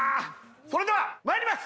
それではまいります！